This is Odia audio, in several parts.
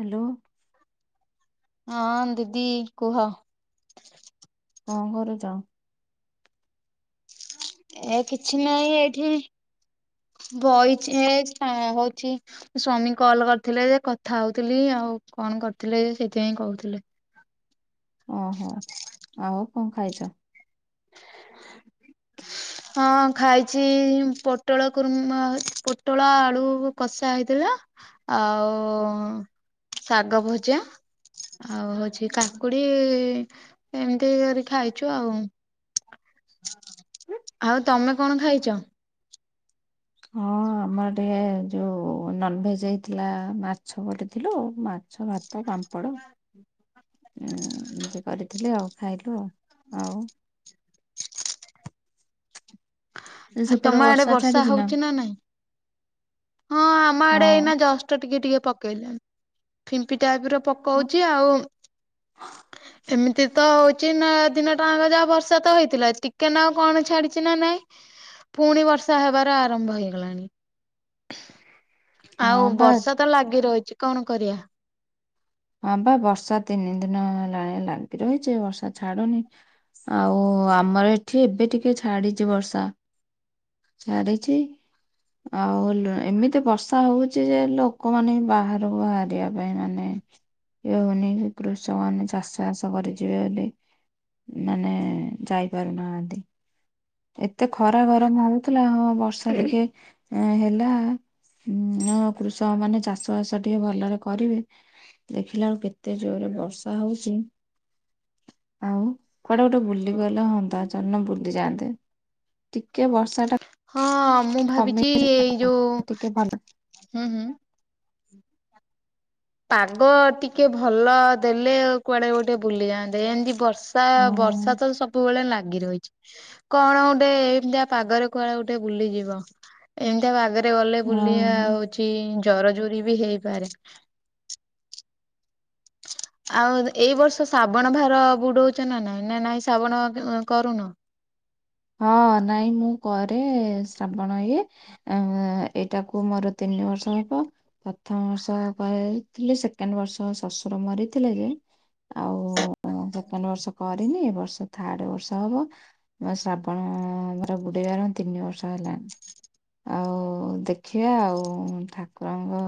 ହ୍ୟାଲୋ। ହଁ ଦିଦି କୁହ। କଣ କରୁଚ? ଏ କିଛି ନାଇଁ ଏଇଠି ବଇଚି ଏ ହଉଚି ସ୍ୱାମୀ କଲ କରିଥିଲେ ଯେ କଥା ହଉଥିଲି ଆଉ କଣ କରିଥିଲେଯେ ସେଥିପାଇଁ କହୁଥିଲେ। ଓହୋ ଆଉ କଣ ଖାଇଚ? ହଁ ଖାଇଛି ପୋଟଳ କୁର୍ମା ପୋଟଳ ଆଳୁ କଷା ହେଇଥିଲା। ଆଉ ଉ ଶାଗ ଭଜା। ଆଉ ହଉଛି କାକୁଡି ଇ ଏମିତି କରି ଖାଇଛୁ ଆଉ। ହଁ ଆଉ ତମେ କଣ ଖାଇଛ? ହଁ ଆମର ଟିକେ ଯଉ ନନଭେଜ ହେଇଥିଲା ମାଛ ପୋଡିଥିଲୁ ମା ଛ ଭାତ ପାମ୍ପଡ଼। ଉଁ ଇନ୍ତି କରିଥିଲି ଆଉ ଖାଇଲୁ ଆଉ ଆଉ? ଏ ଆ ସେପଟେ ତମ ଆଡେ ବର୍ଷା ଛାଡିଛି ହଉଚି ନା ନାହିଁ? ହଁ ଆମ ହଁ ଆଡେ ଏଇନା ଜସ ତ ଟିକେ ଟିକେ ପକେଇଲାଣି ଫିମ୍ପି ଟାଇପର ପକଉଚି ଆଉ। ଏମିତି ତ ହଉଚି ନା ଦିନ ଟାଙ୍କ ଯାହା ବର୍ଷା ତ ହେଇଥିଲା ଟିକେନାକୁ କଣ ଛାଡିଚି ନା ନାଇଁ ପୁଣି ବର୍ଷା ହେବାର ଆରମ୍ଭ ହେଇଗଲାଣି। ହଁ ଆଉ ବା ବର୍ଷା ତ ଲାଗି ରହିଛି କଣ କରିବା। ହଁ ପା ବର୍ଷା ତିନି ଦିନ ହେଲାଣି ଲାଗି ରହିଛି ବର୍ଷା ଛାଡୁନି। ଆଉ ଆମର ଏଠି ଏବେ ଟିକେ ଛାଡିଛି ବର୍ଷା। ଛାଡିଚି ଆଉ ଏମିତି ବର୍ଷା ହଉଚି ଯେ ଲୋକମାନେ ବାହାରକୁ ବାହାରିବା ପାଇଁ ମାନେ ଇଏ ହଉନି କୃଷକ ମାନ ଚାଷ ବାଷ କରିଯିବେ ବୋଲି ମାନେ ଯାଇପାରୁନାହାଁନ୍ତି। ଏତେ ଖରା ଗରମ ହଉଥିଲା ହଁ ବର୍ଷା ଟିକେ ହେଲା ହୁଁ କୃଷକ ମାନେ ଚାଷ ବାସ ଟିକେ ଭଲରେ କରିବେ। ଦେଖିଲା ବେଳୁ କେତେ ଜୋରରେ ବର୍ଷା ହଉଚି। ଆଉ କୁଆଡେ ଗୋଟେ ବୁଲି ଗଲେ ହନ୍ତା ଜନ ବୁଲି ଯାଆନ୍ତେ। ଟିକେ ବର୍ଷା ଟା ହଁ ମୁଁ ଭାବିଛି କମେଇ ଏଇ ଯୋଉ ଟିକେ ଭଲ ହୁଁ ହୁଁ ପାଗ ଟିକେ ଭଲ ଦେଲେ କୁଆଡେ ଗୋଟେ ବୁଲିଯାଆନ୍ତେ ଏମିତି ବର୍ଷ ବର୍ଷା ହଁ ବର୍ଷା ତ ସବୁବେଳେ ଲାଗି ରହିଛି। କଣ ଗୁଟେ ଏମିତିଆ ପାଗରେ କୁଆଡେ ଗୁଟେ ବୁଲିଯିବ ଏମିତିଆ ପାଗରେ ରେ ଗଲେ ବୁଲି ଆଉ ହଁ। ହଉଚି ଜର ଜୁରି ବି ହେଇପାରେ। ଆଉ ଏଇ ବର୍ଷ ଶାବଣ ଭାର ବୁଡଉଛ ନା ନାଇଁ ନା ନାଇଁ ଶାବଣ କରୁନ? ହଁ ନାଇଁ ମୁଁ କରେ ଶ୍ରାବଣ ଇଏ। ଆ ଏଇଟାକୁ ମୋର ତିନି ବର୍ଷ ହେବ। ପ୍ରଥମ ବର୍ଷ କରିଥିଲି ସେକେଣ୍ଡ ବର୍ଷ ଶଶୁର ମରିଥିଲେ ଯେ ଆଉ ସେକେଣ୍ଡ୍ ବର୍ଷ କରିନି ଏ ବର୍ଷ ଥାର୍ଡ ବର୍ଷ ହବ ଶ୍ରାବ [unintelligible] ମୋର ବୁଡ଼େଇବାର ତିନି ବର୍ଷ ହେଲାଣି। ଆଉ ଦେଖିବା ଆଉ ଠାକୁରଙ୍କ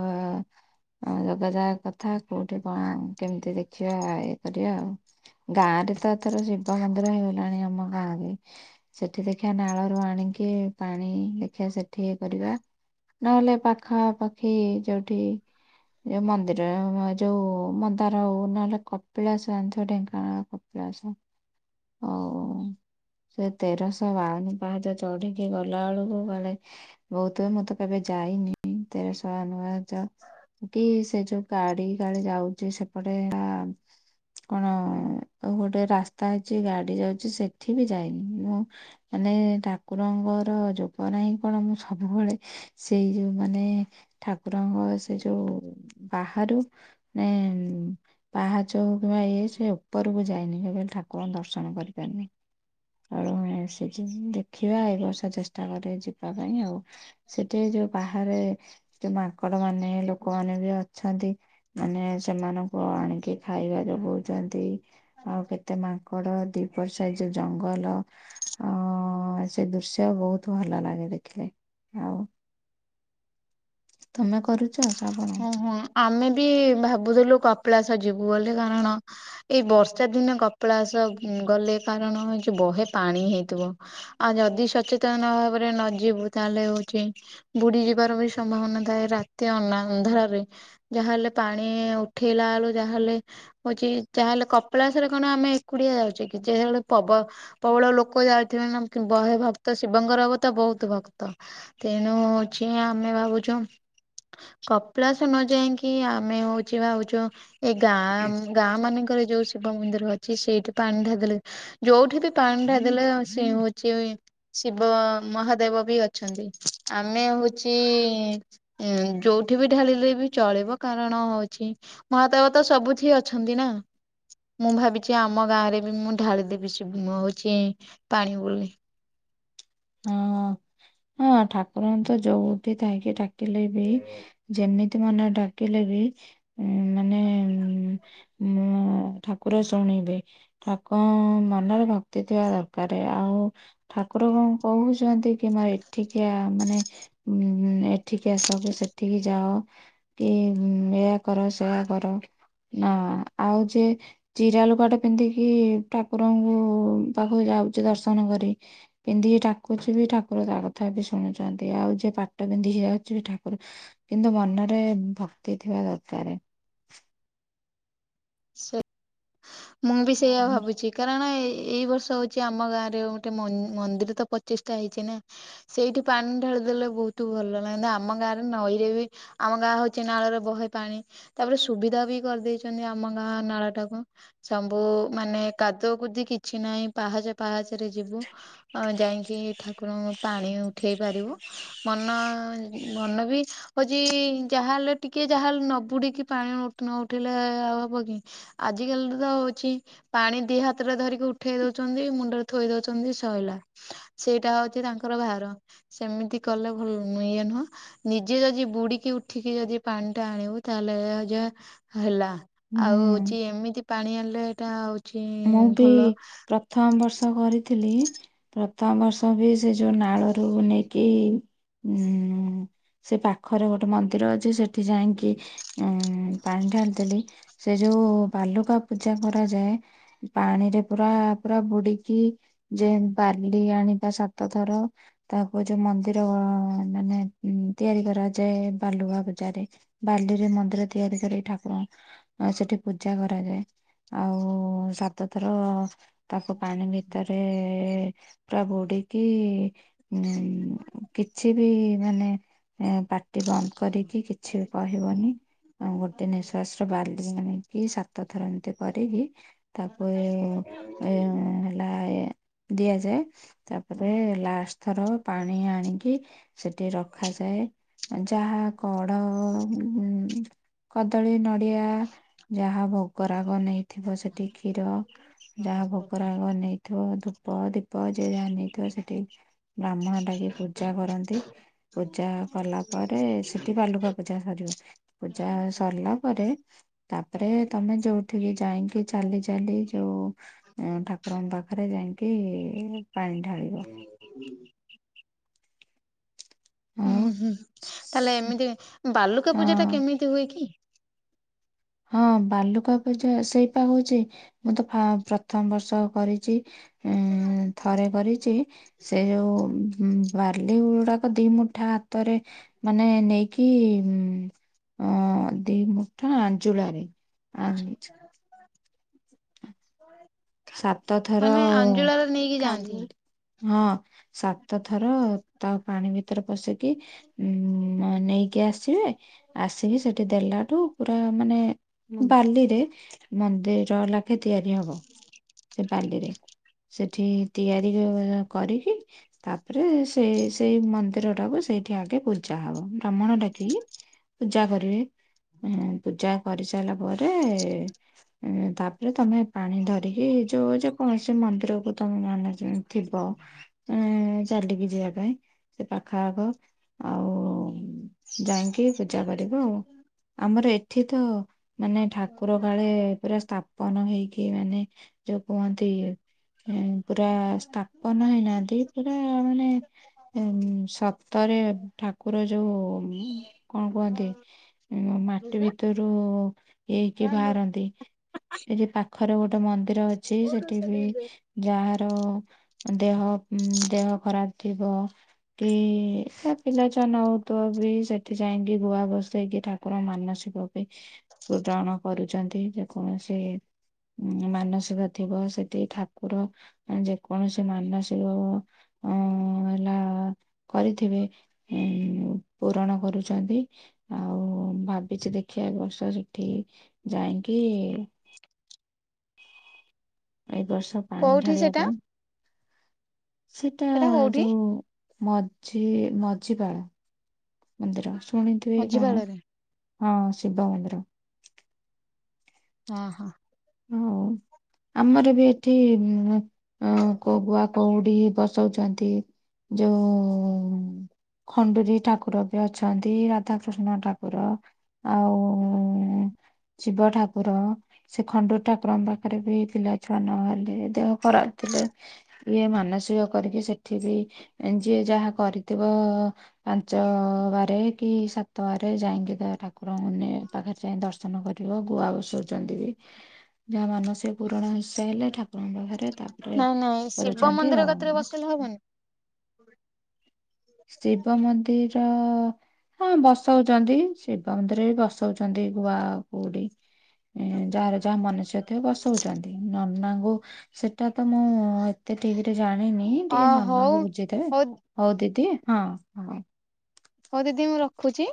ଆଉ ଯୋଗାଯାଗ କଥା କୋଉଠି କଣ କେମିତି ଦେଖିବା ଇଏ କରିବା ଆଉ। ଗାଁ ରେ ତ ଏଥର ଶିବ ମନ୍ଦିର ହେଇଗଲାଣି ଆମ ଗାଁରେ। ସେଠି ଦେଖିବା ନାଳରୁ ଆଣିକି ପାଣି ଦେଖିବା ସେଠି ଇଏ କରିବା। ନହେଲେ ପାଖାପାଖି ଯୋଉଠି ଯୋଉ ମନ୍ଦିର ଯୋଉ ମନ୍ଦାର ହଉ ନହେଲେ କପିଳାସ ଜାଣିଥିବ ଢେଙ୍କାନଳ କପିଳାସ ଆଉ ସେ ତେରଶହ ବାଉନ ପାହାଚ ଚଢି଼କି ଗଲା ବେଳକୁ କାଳେ ବହୁତ୍ ହୁଏ ମୁଁ ତ କେବେ ଯାଇନି ତେରଶହ ବାଉନ୍ ପାହାଚ। କି ସେ ଯୋଉ ଗାଡ଼ି କାଲେ ଯାଉଛି ସେପଟେ‌ ହେଲା କଣ ଗୋଟେ ରାସ୍ତା ହେଇଛି ଗାଡ଼ି ଯାଉଛି ସେଠି ବି ଯାଇନି। ମୁଁ ମାନେ ଠାକୁରଙ୍କର ଯୋଗ ନାହିଁ କଣ ମୁଁ ସବୁବେଳେ ସେଇ ଯୋଉ ମାନେ ଠାକୁରଙ୍କ ସେ ଯୋଉ ବାହାରୁ ଏଁ ପାହାଚ ପୁରା ଇଏ ହେଇଛି ସେ ଉପରକୁ ଯାଇନି କେବେ ଠାକୁରଙ୍କୁ ଦର୍ଶନ କରିପାରିନି। ଆଉ ଦେଖିବା ଏଇ ବର୍ଷ ଚେଷ୍ଟା କରିବା ଯିବା ପାଇଁ ଆଉ। ସେଠି ଯୋଉ ବାହାରେ ଯୋଉ ମାଙ୍କଡ଼ ମାନେ ଲୋକମାନେ ବି ଅଛନ୍ତି। ମାନେ ସେମାନଙ୍କୁ ଆଣିକି ଖାଇବା ଯୋଗଉଛନ୍ତି। ଆଉ କେତେ ମାଙ୍କଡ଼ ଦି ପଟ ସାଇଡି଼ ଯୋଉ ଜ ଜଙ୍ଗଲ ଅ ସେ ଦୃଶ୍ୟ ବହୁତ୍ ଭଲ ଲାଗେ ଦେଖିଲେ ଆଉ। ତମେ କରୁଚ ଶ୍ରାବଣ? ଓହୋ ଆମେ ବି ଭାବୁଥିଲୁ କପିଳାସ ଜିବୁ ବୋଲି କାରଣ ଏଇ ବର୍ଷା ଦିନେ କପିଳାସ ଗଲେ କାରଣ [unintelligible] ବହେ ପାଣି ହେଇଥିବ। ଆଉ ଯଦି ସଚେତନ ଭାବରେ ନ ଯିବୁ ତାହେଲେ ହଉଛି ବୁଡ଼ି ଯିବାର ବି ସମ୍ଭାବନା ଥାଏ ରାତି ଅନା ଅନ୍ଧାରରେ ରେ। ଯାହାହେଲେ ପାଣି ଉଠେଇଲା ବେଳୁ ଯାହା ହେଲେ ହଉଛି ଯାହାହେଲେ କପିଳାସରେ କଣ ଆମେ ଏକୁଟିଆ ଯାଉଛେ କି [unintelligible] ପବ- ପ୍ରବଳ ଲୋକ ଯାଉଥିବେ ନା ବହେ ଭକ୍ତ ଶିବଙ୍କର ତ ବହୁତ୍ ଭକ୍ତ। ତେଣୁ ହଉଚି ଆମେ ଭାବୁଛୁ କପିଳାସ ନ ଯାଇକି ଆମେ ହଉଚୁ ଭାବୁଚୁ ଏଇ ଗାଁ ଗାଁ ମାନଙ୍କରେ ଯୋଉ ଶିବ ମନ୍ଦିର ଅଛି ସେଇଠି ପାଣି ଢ଼ାଳି ଦେଲେ ଯୋଉଠି ବି ପାଣି ଢ଼ାଳି ଦେଲେ ସେ ହଉଛି ଶିବ ମହାଦେବ ବି ଅଛନ୍ତି ଆମେ ହଉଚି ଯୋଉଠି ବି ଢା଼ଳିଲେ ବି ଚଳିବ କାରଣ ହଉଚି ମହାଦେବ ତ ସବୁଠି ଅଛନ୍ତି ନା। ମୁଁ ଭାବିଛି ଆମ ଗାଁ ରେ ବି ମୁଁ ଢ଼ାଳି ଦେବି ଶିବ ହୋଉଛି ପାଣି ବୋଲି। ହଁ ହଁ ଠାକୁରଙ୍କୁ ତ ଯୋଉଠି ଥାଇକି ଡ଼ାକିଲେ ବି ଯେମି ମନ ଡ଼ାକିଲେ ବି ମାନେ ଉଁ ଠାକୁର ଶୁଣିବେ। [unintelligible] ମନରେ ଭକ୍ତି ଥିବା ଦରକାର ଆଉ ଠାକୁର କଣ କହୁଛନ୍ତି କି ମା ଏଠିକି ଆ ମାନେ ଉଁ ଏଠିକି ଆସ କି ସେଠିକି ଯାଅ। କି ଏଇଆ କର ସେଇଆ କର ନା ଆଉ ଯେ ଚିରା ଲୁଗାଟେ ପିନ୍ଧିକି ଠାକୁରଙ୍କୁ ପାଖକୁ ଯାଉଛି ଦର୍ଶନ କରି ପିନ୍ଧିକି ଠା କୁଛୁବି ଠାକୁର ତା କଥା ବି ଶୁଣୁଛନ୍ତି ଆଉ ଯିଏ ପାଟ ବିନ୍ଧି ଯାଉଚି ଠାକୁର କିନ୍ତୁ ମନରେ ଭକ୍ତି ଥିବା ଦରକାର। ସେ ମୁଁ ବି ସେଇଆ ହଁ। ଭାବୁଚି। କାରଣ ଏଇ ବର୍ଷ ହଉଚି ଆମ ଗାଁ ରେ ଗୋଟେ ମନ୍ଦିର ତ ପଚିଶ ଟା ହେଇଚି। ସେଇଠି ପାଣି ଢାଳି ଦେଲେ ବୋହୁତ ଭଲ ଲାଗତା ଆମ ଗାଁରେ ନଈରେ ବି ଆମ ଗାଁ ହୋଉଚି ନାଳରେ ବହେ ପାଣି ତାପରେ ସୁବିଧା ବି କରିଦେଇଚନ୍ତି ଆ ଆମ ଗାଁ ନଳ ଟାକୁ ସବୁ ମାନେ କାଦୁଅ କୁଦି କିଛି ନାହିଁ ପାହାଚ ଫାହାଚରେ ଯିବୁ। ଯାଇଙ୍କି ଠାକୁରଙ୍କୁ ପାଣି ଉଠେଇ ପାରିବୁ ମନ ମନ ବି ହୋଉଚି ଯାହାହେଲେ ଟିକେ ଯାହାହେଲେ ନବୁଡିକି ପାଣି ନ ଉଠିଲେ ଆଉ। ହବ କି ଆଜିକାଲି ତ ହୋଉଚି ପାଣି ଦି ହାତରେ ଧରିକି ଉଠେଇ ଦଉଛନ୍ତି, ମୁଣ୍ଡରେ ଥୋଇ ଦଉଛନ୍ତି ସଇଲା। ସେଇଟା ହୋଉଚି ତାଙ୍କର ଭାର ସେମିତି କଲେ ଭଲ ଇଏ ନୁହଁ। ନିଜେ ଯଦି ବୁଡିକି ଉଠିକି ଯଦି ପାଣି ଟା ଆଣିବୁ ତାହେଲେ ଯ ହେଲା। ଆଉ ହୁଁ। ହଉଛି ଏମିତି ପାଣି ଆଣିଲେ ଏଟା ହଉ। ମୁଁ ବି ପ୍ରଥମ ବର୍ଷ କରିଥିଲି ପ୍ରଥମ ବର୍ଷ ବି ସେ ଯୋଉ ନାଳରୁ ବୁ ନେଇେଇକି ଉଁ ସେ ପାଖରେ ଗୋଟେ ମନ୍ଦିର ଅଛି ସେଠି ଯାଇକି ଉ ପାଣି ଢାଳିଥିଲି [unintelligible] ସେ ଯୋଉ ବାଲୁକା ପୂଜା କରାଯାଏ। ପାଣିରେ ପୁରା ପୁରା ବୁଡିକି ଯେ ବାଲି ଆଣିବା ସାତ ଥର। ତାକୁ ଯୋଉ ମନ୍ଦିର ମାନେ ତିଆରି କରାଯାଏ ବାଲୁକା ବାଲିରେ ମନ୍ଦିର ତିଆରି କରେ ଠାକୁର ସେଠି ପୂଜା କରାଯାଏ ଆଉ ସାତଥର ତାକୁ ପାଣି ବି ତରେ ପୁରା ବଢିକି ଉ କିଛି ବି ମାନେ ଏ ପାଟି ବନ୍ଦ କରିକି କିଛି କହିବନି। ଆଉ ଗୋଟେ ନିଶବାସ ର ବାଲି ଆଣିକି ସାତ ଥର ଏମିତି କରି। ତାପରେ ଏ ହେଲା ଏ ଦିଆଯାଏ ତାପରେ ଲାଷ୍ଟ ଥର ପାଣି ଆଣିକି ସେଠି ରଖାଯାଏ ଯାହା କଡ କଦଳୀ ନଡିଆ ଯାହା ଭୋ କରାଗ ନେଇଥିବ ସେଠି କ୍ଷୀର ଯାହା ଭୋକରାଗ ନେଇ ଥିବ ଧୂପ ଦୀପ ଯଏ ଯାହା ନେଇଥିବ ସେଠି ବ୍ରାହ୍ମଣ ଲାଗି ପୂଜା କରନ୍ତି। ପୂଜା କଲା ପରେ ସେଠି ବାଲୁକା ପୂଜା ସରିବ। ପୂଜା ହୁଁ ସରିଲା ପରେ ତାପରେ ତମେ ଯୋଉଠିକି ଯାଇକି ଚାଲି ଚାଲି ଯୋଉ ଠାକୁରଙ୍କ ପାଖରେ ଯାଇକି ପାଣି ଢାଳିବ। ହ ହୁଁ ହୁଁ ଆଉ ହୁଁ ତାହେଲେ ଏମିତି ବାଲୁକା ପୂଜା ଟା ହଁ। କେମିତି ହୁଏ କି? ହଁ ବାଲୁକା ପୂଜା ସେଇପା ହୋଉଚି ମୁଁ ତ ପ୍ରଥମ ବର୍ଷ କରିଚି ଉ ଥରେ କରିଚି ସେ ଯୋଉ ବା ଖାଲି ଗ ଗୁଡାକ ଦି ମୁଠା ହାତରେ ମାନେ ନେଇକି ଅଁ ଦି ମୁଠା ଆଞ୍ଜୁଳାରେ ଆ [unintelligible] ସାତଥର ମାନେ ଅଞ୍ଜୁଳାରେ ନେଇକି ଯାଆନ୍ତି। [unintelligible] ହଁ। ସାତ ଥର ତାଉ ପାଣି ଭିତରେ ପଶିକି ଉଁ ନେଇକି ଆସିବେ ଆସିକି ସେଠି ଦେଲାଠୁ ପୁରା ମାନେ ବାଲିରେ ମନ୍ଦିର ଲାଖେ ତିଆରି ହବ। ସେ ବାଲିରେ ସେଠି ତିଆରି କରିକି ତାପରେ ସେଇ ସେଇ ମନ୍ଦିର ଟାକୁ ସେଇଠି ଆଗେ ପୂଜା ହବ ବ୍ରାହ୍ମଣଟାକି। ପୂଜା କରିବେ। ଏହେଁ, ପୂଜା କରି ସାରିଲା ପରେ ଏଁ, ତାପରେ ତୋମେ ପାଣି ଧର ଟିକି ଯୋଉ ଯେ କୌଣସି ମନ୍ଦିରକୁ ତୋମ ମାନସିକ ଥିବ। ଏଁ, ଚାଲିକି ଯିବା ପାଇଁ ସେ ପାଖ ଆଖ। ଆଉ ଯାଇଁକି ପୂ ଜା କରିବ ଆଉ। ଆମର ଏଠି ତ ମାନେ ଠାକୁର କାଳେ ପୁରା ସ୍ଥା ପନ ହେଇକି ମାନେ ଯୋଉ କୁହନ୍ତି ହେଁ ପୁରା ସ୍ଥାପନ ହେଇନାହାନ୍ତି। ପୁରା ମାନେ ଏ ଉଁ, ସତରେ ଠାକୁର ଯୋଉ କଣ କୁହନ୍ତି? ଉଁ, ମାଟି କୋଉଠି ଭିତରୁ ହେଇକି ସେଟା ବାହାରନ୍ତି। ଏଠି ପାଖରେ ଗୋଟେ ମନ୍ଦିର ଅଛି ସେଠି ବି ଯାହାର ଦେହ ଉଁ, ଦେହ ଖରାପ ଥିବ। କି କା ପିଲା ଛୁଆ ନ ହଉଥୁବ ବି ସେଠି ଯାଇକି ଗୁଆ ବସେଇକି ଠାକ କୁର ମାନସିକ ବି ପୂରଣ କରୁଛନ୍ତି। ଯେକୌଣସି ଉଁ, ମାନସିକ ଥିବ ସେଠି ଠାକୁର ଏ ଯେକୌଣସି ମାନସିକ ଓ ଅଁ, ହେଲା କରିଥିବେ ଏଁ, ଉ, ପୂରଣ କରୁଛନ୍ତି। ଆଉ ଭାବିଛି ଦେଖିଆ ଏ ବର୍ଷ ସେଠି ଯାଇଁକି ଏ ବର୍ଷ ପାଣି ଢାଳିବା ପାଇଁ, ସେଟା ଯୋଉ ମଝି ମଝିପାଳ ମନ୍ଦିର ଶୁଣିଥିବେ କଣ? ମଝିପାଳରେ। ହଁ ଶିିବ ମନ୍ଦିର। ଅଁ, ହଁ। ଆଉ ଆମର ବି ଏଠି ଉଁ, ଅଁ, କ-ଗୁଆ କଉଡି ବସଉଛନ୍ତି। ଯୋଉ ଉଁ, ଖଣ୍ଡୁରୀ ଠାକୁର ବି ଅଛନ୍ତି ରାଧାକୃଷ୍ଣ ଠାକୁର। ଆଉ ଶିବ ଠାକୁର। ଖଣ୍ଡୁ ଠାକୁରଙ୍କ ପାଖରେ ବି ପିଲା ଛୁଆ ନହେଲେ, ଦେହ ଖରାପ ଥିଲେ ଇଏ ମାନସିକ କରିକି ସେଠି ବି ଏଁ, ଯିଏ ଯାହା କରିଥିବ ପାଞ୍ଚ ବାରେ କି ସାତ ବାର ଯାଇକି ତା ଠାକୁରଙ୍କୁ ନେ ପାଖରେ ଯାଇ ଦର୍ଶନ କରିବ ଗୁଆ ବସଉଛନ୍ତି ବି। ଯାହା ମାନସିକ ପୁରଣ ହେଇ ସେ ହେଲେ ଠାକୁରଙ୍କ ଘରେ ତାପରେ ନାଇଁ ନାଇଁ ଶିବ କରୁଛନ୍ତି। ମନ୍ଦିର ଆଉ କତିରେ ଏ ବସିଲେ ହବନି? ଶିବ ମନ୍ଦିର ହଁ ବସଉଚନ୍ତି ଶିବ ମନ୍ଦିର ରେ ବି ବସଉଛନ୍ତି ଗୁଆ କଉଡି। ଏଁ, ଯାହାର ଯାହା ମାନସିକ ଥିବ ବସଉଚନ୍ତି। ନନାଙ୍କୁ ସେଟା ତ ମୁଁ ଏତେ ଠିକ୍ ରେ ଜାଣିନି ଅ ଟିକେ ହଉ ନନାଙ୍କୁ ବୁଝିଥେବେ। ହଉ ଦିଦି ହଁ, ହଁ। ହଉ ଦିଦି ମୁଁ ରଖୁଛି।